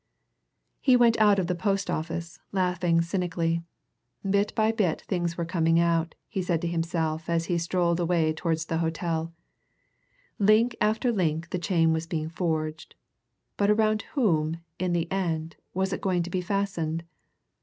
He went out of the post office laughing cynically. Bit by bit things were coming out, he said to himself as he strolled away towards the hotel; link after link the chain was being forged. But around whom, in the end, was it going to be fastened?